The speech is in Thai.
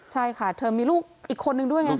ใช่ค่ะเธอมีลูกอีกคนนึงด้วยไง